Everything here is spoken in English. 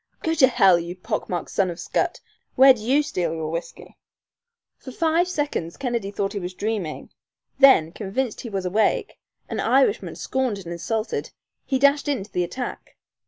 "Go to hell, you pock marked son of a scut! Where'd you steal your whiskey?" For five seconds Kennedy thought he was dreaming. Then, convinced that he was awake, an Irishman scorned and insulted, he dashed in to the attack.